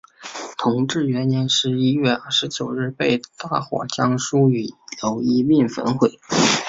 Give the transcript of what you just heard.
同治元年十一月二十九日被大火将书与楼一并焚毁。